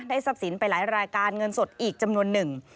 ทรัพย์สินไปหลายรายการเงินสดอีกจำนวนหนึ่ง